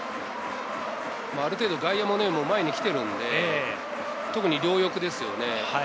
ある程度、外野も前に来ているんで、特に両翼ですよね。